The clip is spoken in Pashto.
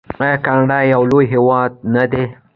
آیا کاناډا یو لوی هیواد نه دی؟